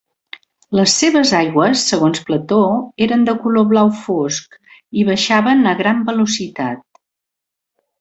Les seves aigües, segons Plató, eren de color blau fosc i baixaven a gran velocitat.